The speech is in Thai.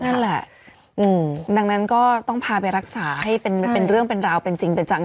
นั่นแหละดังนั้นก็ต้องพาไปรักษาให้เป็นเรื่องเป็นราวเป็นจริงเป็นจัง